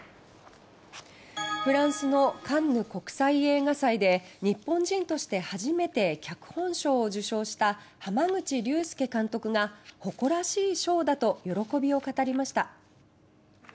フランスのカンヌ国際映画祭で日本人として初めて脚本賞を受賞した濱口竜介監督が「誇らしい賞」だと喜びを語りました。